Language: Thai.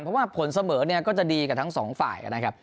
เพราะว่าผลเสมอเนี่ยก็จะดีกับทั้งสองฝ่ายนะครับ